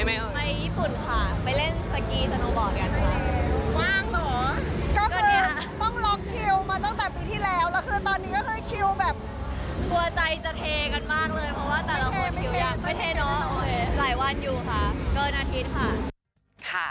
ไม่ไปอีกทริปที่เราเตรียมตัวกันมานานมากค่ะ